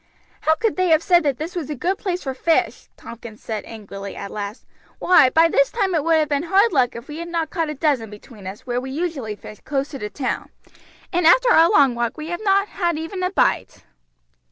"How could they have said that this was a good place for fish?" Tompkins said angrily at last. "Why, by this time it would have been hard luck if we had not caught a dozen between us where we usually fish close to the town, and after our long walk we have not had even a bite."